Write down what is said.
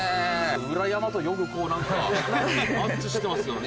裏山とよくこう何かマッチしてますよね